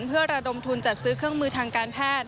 เพื่อระดมทุนจัดซื้อเครื่องมือทางการแพทย์